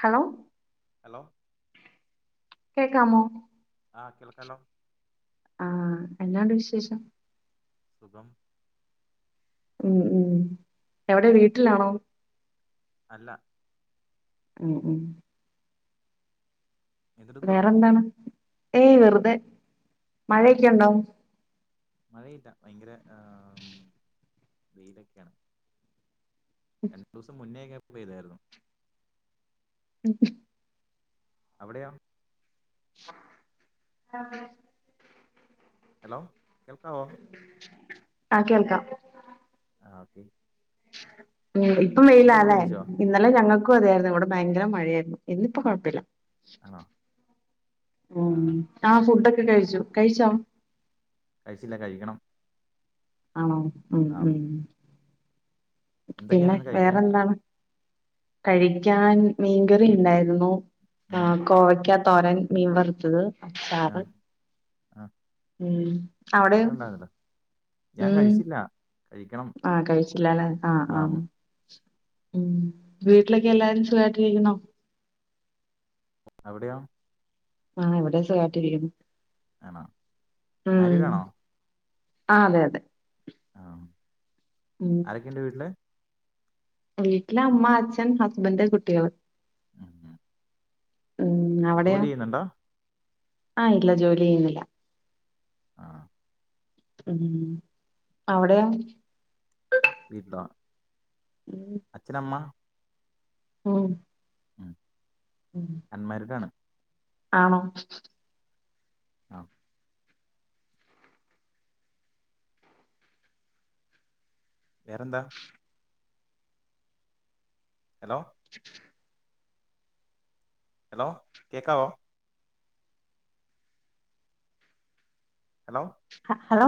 Hello hello കേക്കാമോ ആ കേൾക്കാലോ ആ എന്നാ ഉണ്ട് വിശേഷം സുഖം ഉം ഉം എവിടെ വീട്ടിലാണോ? അല്ല ഉം ഉം എന്തെടുക്കുവാ വേറെന്താണ് ഏയ് വെറുതെ മഴയൊക്കെ ഉണ്ടോ? മഴയില്ല ഭയങ്കര ഏഹ് വെയിലൊക്കെയാണ് രണ്ടു ദിവസം മുന്നേ ഒക്കെ വെയിലാരുന്നു. മ്മ് അവിടെയോ [unintelligible] ഹലോ കേൾക്കാവോ ആഹ കേൾക്കാം ആ ഓക്കെ [inaudible] [unintelligible] ഉ ഇപ്പം വെയിലാ ഫുഡൊക്കെ അല്ലെ കഴിച്ചോ ഇന്നലെ ഞങ്ങൾ പ അതായിരുന്നു ഇവിടെ ഭയങ്കര മഴയായിരുന്നു ഇന്ന് ഇപ്പോ കുഴപ്പമില്ല ആണോ ആ [unintelligible] ആ ഫുഡ് കഴിച്ചു കഴിച്ചോ കഴിച്ചില്ല കഴിക്കണം ആണോ [inaudible] ഉ ആ ഉം എന്തൊക്കെയാണ് പിന്നെ ഇന്ന് കഴിക്കാൻ വേറെന്താണ് കഴിക്കാൻ മീൻകറി ഉണ്ടായിരുന്നു ഉം, ആഹ കോവക്കാ തോരൻ മീൻ വറുത്തത് അ ആ അത് ആ ഉം അവിടെ ഇത്ര ഉണ്ടായിരുന്നല്ലോ ഞാൻ ഉം കഴിച്ചില്ല കഴിക്കണം ആഹ കഴിച്ചില്ലല്ലെ ആഹ് ആ ആഹ് ഉം വീട്ടിലൊക്കെ എല്ലാരും സുഖയിട്ടിരിക്കുന്നോ എവിടെയാാണ് ആഹ എവിടെയാ സുഗായിട്ടിരിക്കുന്നു ആണോ മാരിഡാണോ ആ അതെ അതെ ആഹ ആരൊക്കെ ഉണ്ട് വീട്ടില് വീട്ടില അമ്മ അച്ഛൻ ഹസ്ബൻഡ കുട്ടികള് ഉം ജോലി ചെയ്യുന്നുണ്ടാ ആഹ ഇല്ല ജോലി ചെയ്യുന്നില്ല ആഹ ഉം അവിടെയൊ വീട്ടിലോ അച്ഛനമ്മ ആഹ അൺമാരീഡ് ആണ് ആണോ ആഹ് വേറെന്താ ഹലോ [inaudible] ഹലോ കേക്കാവോ ഹലോ ഹ ഹലോ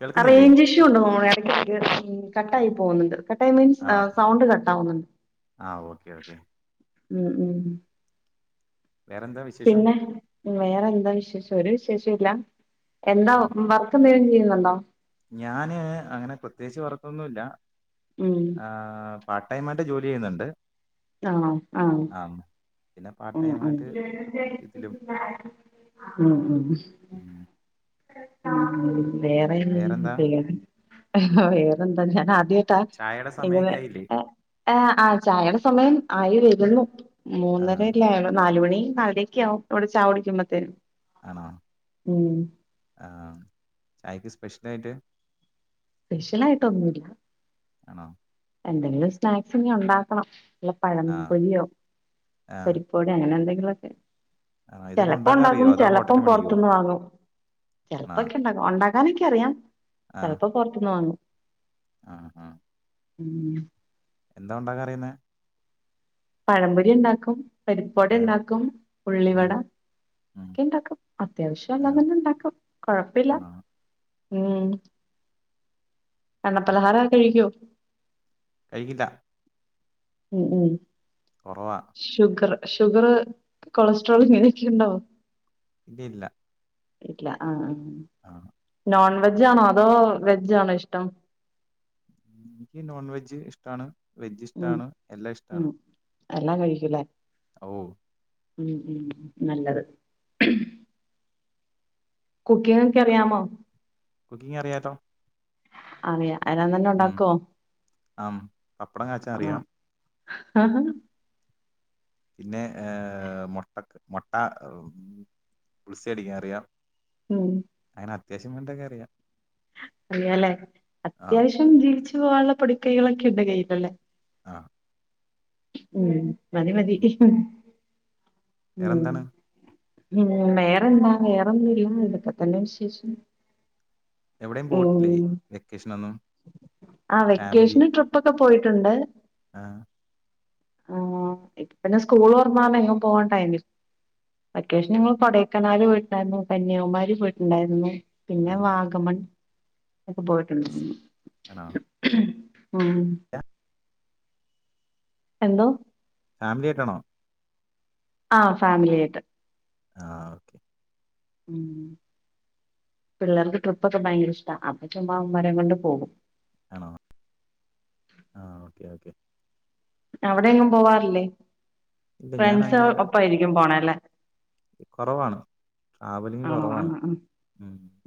കേൾക്കുന്നില്ലേ റെയ്ഞ്ചിഷു ഉണ്ട് മോ [unintelligible] ളി കട്ടായി പോഉന്ന്ണ്ട് കട്ടായി മീൻസ് സൗണ്ട് കട്ട ട്ടൗന്ന് ആഹ് ഓക്കെ ഓക്കെ ഉം ഉം വേറെന്താ വിശേഷം ഉ വേറെന്താ വിശേഷം ഒരു വിശേഷൊല്ല എന്താ ഉം വർക്കെന്തേലും യ്യു ന്നുണ്ടോ ഞാന് അങ്ങനെ പ്രത്യേകിച്ച് വർക്കൊന്നുല്ല ഉം ആഹ് പാർട്ട് ടൈ ആയിട്ട് ജോലി ചെയ്യുന്ന്ണ്ട് ആഹ് ആഹ് പിന്നെ പാർട്ട് ഉം ടൈം ഉം ആയിട്ട് ഇതിലും ഉം ഉം ഉം ചട്ടാമി വേറെ വേറെന്താ [unintelligible] ഹ് ഹ് വേറെന്താ ഞാൻ ആദ്യം ത്ത ചായയുടെ സമയൊക്കെ എനിവെ ആയില്ലേ ഏ ആഹ് ആഹ് ചായടെ സമയം ആയി വരുന്നു ആ മൂന്നര നാലു മണി നാലരക്ക്യാവും ഇവടെ ചായ കുടിക്കുമ്പത്തേന് ആണോ ആഹ് ചായ ക്സ് പ്രശലായിട്ട് സ്പെഷ്യലായിട്ടൊന്നുല്ല ആണോ എന്തെങ്കിലും സ്നാക്സ് ഇഞ്ഞ് ഉണ്ടാക്കണം നല്ല ആ പഴംപൊലിയോ ആ പരിപ് വടെ അങ്ങനെ എന്തെ റക്കെ ആ ഇതൊക്കെ ചെലപ്പോ ഉണ്ടാക്കാൻ അറിയോ ഉണ്ടാക്കും അതോ ചെലപ്പം ഹോട്ടലിൽ മേടിക്കുവോ പൊറ്ത്ത്ന്ന് വാങ്ങും ചെല്പ ആണോ ച്ച് ണ്ടാക് [unintelligible] ഉണ്ടാകും ഞാനൊക്കെ അറിയാം ആ സെൽപ്പം പൊർത്ത്ന്ന് വാങ്ങും ആ ആ ഉം എന്താ ഉണ്ടാക്ക അറിയുന്നെ പഴംപൊരി ഉണ്ടാക്കും പരിപ്പട ആ ഉണ്ടാക്കും ഉം ഉള്ളിവട ഉം ഒക്കെ ഇണ്ടാക്കും അത്യാവശ്യം ആ എല്ലാം തന്നെ ഇണ്ടാക്കും കൊഴപ്പില്ല ആണോ ഉം ഉം എണ്ണപ്പലഹാരാ കഴിക്കുവോ കഴിക്കില്ല ഉം ഉം കുറവാ ഷുഗർ ഷുഗർ കൊളസ്ട്രോൾ ഇങ്ങനെയൊക്കെ ഇണ്ടോ ഇല്ല ഇല്ല ആ ആ നോൺ വെജ് ആണോ അതോ വെജ് ആണോ ഇഷ്ടം എനിക്ക് നോൺ വെജ് ഇഷ്ടാണ് വെജ് ഉം ഇഷ്ടാണ് എല്ലാം ഇഷ്ടാണ് ഉം എല്ലാം കഴിക്കുലെ ഓ ഉം ഉം നല്ലത് കുക്കിങ് ഒക്കെ അറിയാമോ കുക്കിംഗ് അറിയാലോ [unintelligible] ഉം ഉണ്ടാക്കുവോ ആം പപ്പടം കാച്ച അറിയാം ആഹ പിന്നെ ഏ മൊട്ടക്ക് മൊട്ട ബുൾസയ് അടിക്കാൻ അറിയാം ഉം അങ്ങനെ അത്യാവശ്യം വേണ്ടൊക്കെ അിയാം അറിയാലേ ആ അത്യാവശ്യം ജീവിച്ച് പോവാനുള്ള പൊടിക്കൈകളൊക്കെ ഉണ്ട് കൈയ്യിലല്ലേ ആ ഉം മതി മതി ഉം. ഉം വേറെന്താണ് ഉം വേറെ എന്താ വേറൊന്നും ഇല്ല ഇതൊക്കെ തന്ന വിശേഷം എവിടെയും പോയിട്ടില്ലേ ഉം വെക്കേഷൻ ഒന്നും ആ ഫാമിലി വെക്കേഷന് ട്രിപ്പൊക്കെ പോയിട്ടുണ്ട് ആ ആ ഇപ്പൊ പിന്നെ സ്കൂൾ തുറന്നോണ്ട് എങ്ങും പോവാൻ ടൈമി വെക്കേഷന് ഞങ്ങൾ ഉം, കൊടൈക്കനാൽ പോയി യിട്ടുണ്ടാരുന്നു കന്യാകുമാരി പോയിട്ടുണ്ടായിരുന്നു ആ, പിന്നെ വാഗമൻ ഒക്കെ പോയിട്ടുണ്ടാരുന്നു ആണോ ഉം എന്തോ ഫാമിലി ആയിട്ടാണോ ആ ഫാമിലി ആയിട്ട് ആ ഓക്കെ ഉം പിള്ളേർക്ക് ട്രിപ്പൊക്കെ ഭയങ്കര ഇഷ്ടവാ അപ്പൊ ചുമ്മാ അവന്മാരെയും കൊണ്ട് പോകും ആണോ ആ ഓക്കെ ഓക്കെ അവിടെയെങ്ങും പോകാറില്ലേ ഇല്ല ഞാൻ ഫ്രണ്ട്സ് അങ്ങനെ ഒപ്പായിരിക്കും പോണല്ലേ കുറവാണ് ട്രാവലിംഗ് ആണോ ആ കുറവാണ് ഉം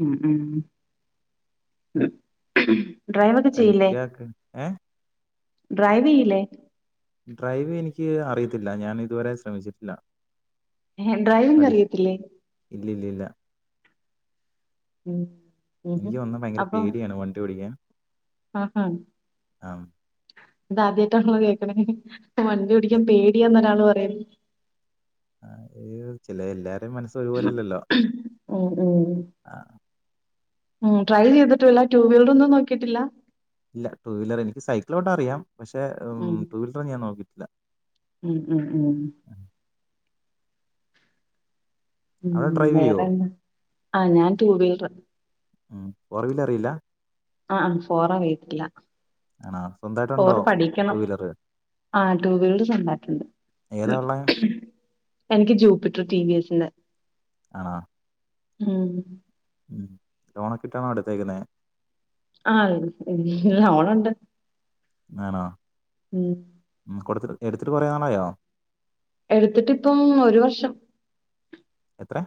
ഉം ഉം [inaudible] ചെയ്യില്ലേ കഴിക്കുക ഒക്കെ ഏ ഡ്രൈവ് ചെയ്യില്ലേ ഡ്രൈവ് എനിക്ക് അറിയത്തില്ല ഞാൻ ഇതുവരെ ശ്രമിച്ചിട്ടില്ല ഏ ഡ്രൈവിംഗ് പഠി അറിയത്തില്ലേ ഇല്ല ഇല്ല ഇല്ല ഉം എനിക്ക് വന്നാ ഭയങ്കര പേടിയാണ് വണ്ടി ഓടിക്കാൻ ആ ആ ആ അത് ആദ്യമായിട്ടാണല്ലോ കേക്കുന്നെ ഇപ്പൊ വണ്ടി ഓടിക്കാൻ പേടിയാന്ന് ഒരാള് ശരി ആ ചില എല്ലാ രുടെയും മനസ്സ് ഒരുപോലെ അല്ലല്ലോ ഉം ഉം ആ ഉം ട്രൈ ചെയ്തിട്ടില്ല ടു വീലർ ഒന്നും നോക്കിയിട്ടില്ല ഇല്ല ടു വീലർ എനിക്ക് സൈക്കിളോട്ടാൻ അറിയാം പക്ഷെ ഉം ടു വീലറൊന്നും ഞാൻ നോക്കിട്ടി ല്ല ഉം ഉം ഉം ഉം അവിടെ ഡ്രൈവ് ചെയ്യോ വേറെന്നാ ആ ഞാൻ ടൂ വീലർ ഉം ഫോർ വീലറിയില്ല ആഅ ഫോററിയത്തില്ല ആണോ സ്വന്തമായിട്ടുണ്ടോ ഫോറ് ടു പഠിക്കണം വീലർ ആഹ ടു വീലറ് സ്വന്തവായിട്ടെണ്ട് ഏതാ ഉള്ളേ എനിക്ക് ജൂപ്പിറ്റർ ടി വി എസ് ന്റെ ആണോ ഉം ലോണൊക്കെ ഇട്ടാണോ എടുത്തേക്കുന്നെ ആഹ ലോണെണ്ട് ആണോ ഉം കൊടുത്തിട് എടുത്തിട്ട് കൊറന്നാളായോ എടുത്തിട്ട് ഇപ്പം ഒരു വർഷം എത്ര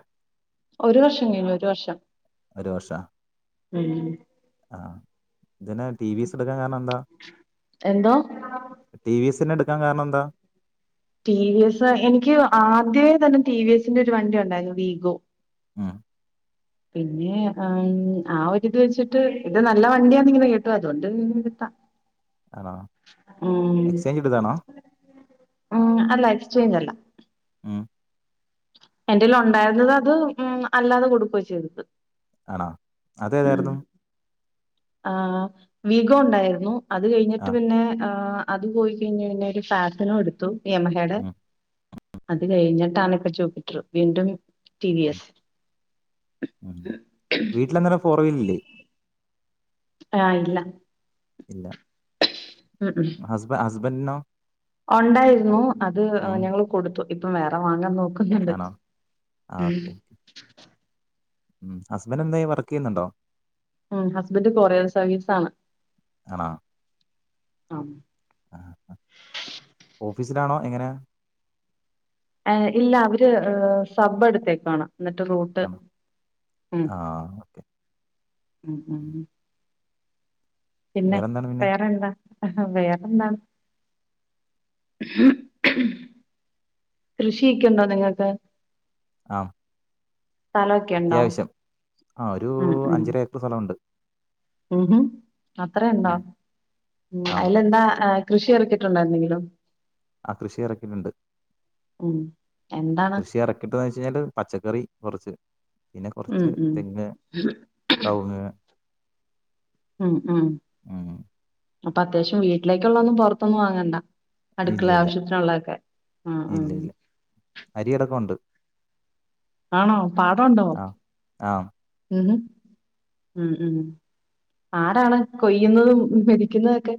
ഒരു വർഷം കഴിഞ്ഞു ഒരു വർഷം ഒരു വർഷം ഉം ഇതിനെ ടി വിസ് എടുക്കാൻ കാരണം എന്താ എന്തോ ടി വിസി എടു ടുക്കാൻ കാരണം എന്താ ടി വി എസ് എനിക്ക് ആദ്യമേ തന്നെ ടി വി എസിന്റെ ഒരു വണ്ടി ഒണ്ടായിരുന്നു വീഗോ ഇം പിന്നെ ആ ആ ഒരിത് വെച്ചിട്ട് ഇത് നല്ല വണ്ടിയാന്ന് ഇങ്ങനെ കേട്ടു അതുകൊണ്ട് എടുത്താ ആണോ ഉ എക്സ്ചേഞ്ച് എടുത്തതാണോ ഉ അല്ല എക്സ്ചേഞ്ച് അല്ല ഇം എന്റെല് ഒണ്ടായിരുന്നത് അത് ഉം അല്ലാതെ കൊടുക്കുവ ചെയ്തത് ആണോ അതേതായിരുന്നു ആ വീഗോ ഒണ്ടായിരുന്നു അത് കഴിഞ്ഞിട്ട് ആ പിന്നെ ആ അത് പോയി കഴിഞ്ഞ് കഴിഞ്ഞ ഒരു ഫാസിനോ എടുത്തു യമഹേടെ ഉം അത് കഴിഞ്ഞ താനക്ക ചോക്കി ട്രൂ വീണ്ടും ടി വി എസ് ഉ വീട്ടിലന്നേരം ഫോർ വീലില്ലേ ആഹ് ഇല്ല ഇല്ല ഹസ്ബ അസ് ഹസ്ബൻനോ ഒണ്ടായിരുന്നു അത് ഞങ്ങള് കൊടുത്തു ഇപ്പം വേറ വങ്ങാൻ നോക് കുന്നുണ്ട് ആണോ ഉ ഉ ഹസ്ബൻഡന്തായ വർക്കെയ്യുന്നുണ്ടോ ഉം ഹസ്ബൻഡ് കൊറിയർ സർവീസ് ആണ് ആണോ ആം ആ ഓഫീസിലാണോ എങ്ങനെ എ ഇല്ല അവര് സബ് എടുത്തേക്കാണാ എന്നിട്ട് റൂട്ട് ആണോ ഉം ആ ഓക്കെ ഉം ഉം പിന്നെ വേറെന്താണ് പിന്നെ വേറെ എന്താ ആ വേറെന്താ കൃഷിയൊക്കെണ്ടോ നിങ്ങക്ക് ആ ഉണ്ടോ അത്യാവശ്യം ആ ഒരു ഉം ഉം അഞ്ചര ഏക്കർ സ്ഥലവൊണ്ട് ഉം ഹം അത്രെ ഉണ്ടോ ഉം ആ അയ്ല് എന്താ കൃഷി എറക്കുട്ടുണ്ടോ എന്തെങ്കിലും ആ കൃഷി എറക്കിട്ടുണ്ട് ഉം എന്താണ് കൃഷി ഇറക്കിയിട്ടന്ന് വെച്ചഴിഞ്ഞാല് പച്ചക്കറി കൊറച്ച് പിന്നെ ഉം കൊറച്ച് ഉം തെങ്ങ് കവുങ്ങ് ഉം ഉം ഉം അപ്പൊ അത്യാശ്യം വീട്ടിലേക്കുള്ള ഒന്നും പൊർത്തിന്നെ വാങ്ങണ്ട ഇല്ല അടുക്കള ഇല്ല ആവശ്യത്തിനുള്ള ഒക്കെ ഉ ഉ ഉ ഇല്ല ഇല്ല അരിയടക്കമുണ്ട് ആണോ പാടം ഒണ്ടോ ആ ആ ഉം ഉം ഉം ആരാണ് കൊയ്യുന്നതും മെതിക്കുന്നതൊക്കെ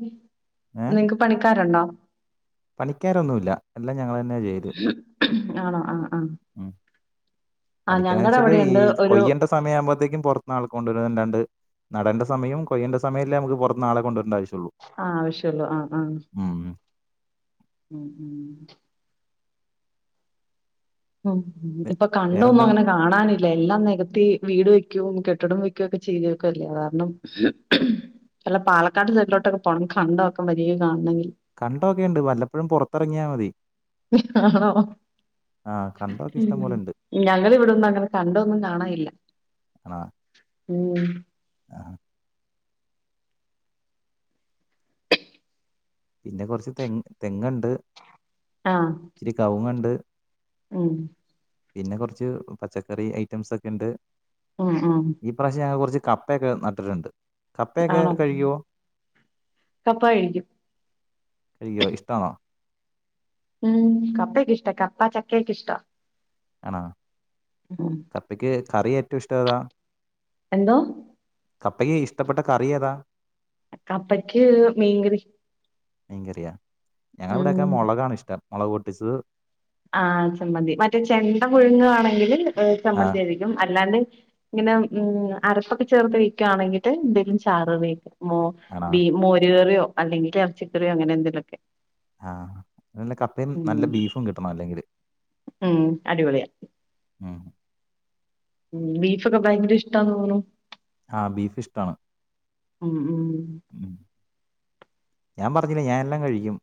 നിങ്ങക്ക് പണിക്കാരുണ്ടോ ആ പണിക്കാരൊന്നുല്ല ഞങ്ങളെന്ന ചെയ്ത് ആണോ ആ ഉം പണിക്കാര് ഞങ്ങടെ വെച്ചാല് ഈ അവിടെയുണ്ട് ഒരു കൊയ്യേണ്ട സമയാമ്പോഴ്ത്തേക്കും പൊൻത്ത്ന്ന് ആൾ കൊണ്ടുവര്ല്ലാണ്ട് നടേണ്ട സമയോം കൊയേണ്ട സമയൊല്ലെ അമക്ക് പൊർത്ത്ന്നാളെ കൊണ്ടരണ്ടാവശ്യം ആഹ് ആവശ്യൊള്ളൂ ആഹ് ആഹ് ഉം ഉം ഉം വേ ഇപ്പൊ കണ്ടൊന്നും വേറെന്താ അങ്ങനെ കാണാനി എല്ലാം നെകത്തി വീട് വെക്കും കെട്ടിടം വെക്കുക ഒക്കെ ചെയ്തേക്കുവല്ലേ കാരണം എല്ല പാലക്കാട്ട് സൈട്ലോട്ടൊക്കെ പോണം കണ്ടം ഒക്കെ വരിയായി കാണെങ്കിൽ കണ്ടോക്കെണ്ട് വല്ലപ്പോഴും പൊർത്തെർങ്ങിയാ മതി ഹും ഹ് ഹ ആണോ ആ കണ്ടമൊക്കെ ഇഷ്ടം ഉം പോലെ ഉണ്ട് ഞങ്ങൾ ഇവിടൊന്നും അങ്ങനെ കണ്ടൊന്നും കാണാഇല്ല ആണോ ഉം ആ പിന്നെ കൊറച്ച് തെങ് തെങ്ങുണ്ട് ആഹ് ഇച്ചിരി കവുങ്ങുണ്ട് ഉം പിന്നെ കുറച്ച് പച്ചക്കറി ഐറ്റംസ്ഒക്കെണ്ട് ഉം ഉം ഈ പ്രാവശ്യം ഞാ കൊറച്ച് കപ്പയൊക്കെ നട്ടിട്ടുണ്ട് കപ്പയൊക്കെ ആണോ കഴിക്കുമോ കപ്പ കഴിക്കും കഴിക്കോ ഇഷ്ട്ടാണോ ഉം കപ്പക്കെ ഇഷ്ട കപ്പ ചക്ക ക്കെ ഇഷ്ട ആണോ കപ്പക്ക് കറി ഏറ്റവും ഇഷ്ട്ടേതാ എന്തോ കപ്പയ്‌ക്ക് ഇഷ്ടപ്പെട്ട കറി ഏതാ കപ്പക്ക് മീങ്കറി മീൻ കറിയ ഞങ്ങൾ ഇവിടെയൊക്കെ മൊളകാണിഷ്ട്ടം മുളക് പൊട്ടിച്ചത് ആ ചമ്മന്തി മറ്റേ ചെണ്ട പുഴുങ്ങുവാണെങ്കിൽ ഉം ആഹ് ചമ്മന്തിയരക്കും അല്ലാണ്ട് ഇങ്ങനെ ഉം അരപ്പൊക്കെ ചേർത്ത് വിൽക്കാണെങ്കി ട്ട് എന്തെങ്കിലും ചാറ് വെ മോ ആണോ ബീ മോര് കറിയോ അല്ലെങ്കിലിറച്ചിക്കറിയോ അങ്ങനെ എന്തെലൊക്കെ ആഹ് നല്ല കപ്പയും ഉം നല്ല ബീഫും കിട്ടണം അല്ലെങ്കില് ഉം അടിപൊളിയ ഉം ഉം ബീഫൊക്കെ ഭയങ്കര ഇഷ്ടാന്ന് തോന്നുണു ആ ബീഫ് ഇഷ്ടാണ് ഉം ഉം ഉം ഞാൻ പറഞ്ഞില്ലേ ഞാനെല്ലാം കഴിക്കും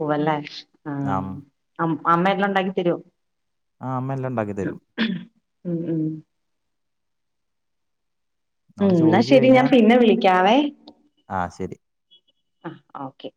പൂവല്ലെ ആ ആഹ് അം അമ്മെഎല്ലാം ണ്ടാക്കിതരൊ ആഹ് അമ്മ എല്ലാം ഉണ്ടാക്കി തരും ഉം ഉം ഉം നമ്മള് ന്നാ ചോദിച്ചു ശെരി ഞാൻ കഴിഞ്ഞാൽ പിന്നെ വിളിക് ക്ക്യാവേ ആഹ് ശരി ആഹ് ഓക്കെ